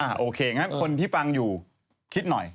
โอเคงั้นคนที่ฟังอยู่คิดหน่อย